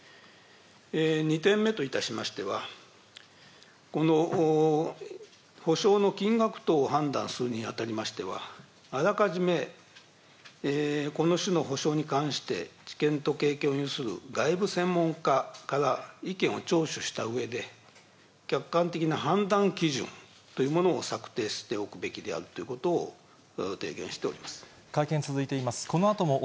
２点目といたしましては、この補償の金額等を判断するにあたりましては、あらかじめ、この種の補償に関して知見と経験を有する外部専門家から意見を聴取したうえで、客観的な判断基準というものを策定しておくべきであるということおはよう。